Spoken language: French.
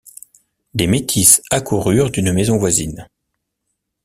Des métis accoururent d’une maison voisine.